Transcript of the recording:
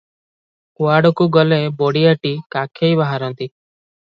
କୁଆଡକୁ ଗଲେ ବଡ଼ିଆଟି କାଖେଇ ବାହାରନ୍ତି ।